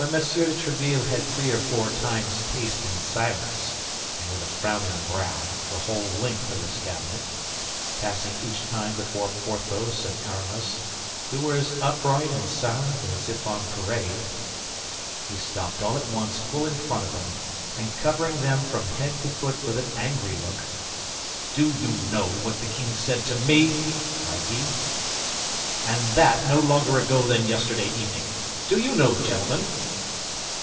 de Tréville had three or four times paced in silence, and with a frowning brow, the whole length of his cabinet, passing each time before Porthos and Aramis, who were as upright and silent as if on parade—he stopped all at once full in front of them, and covering them from head to foot with an angry look, "Do you know what the king said to me," cried he, "and that no longer ago than yesterday evening—do you know, gentlemen?"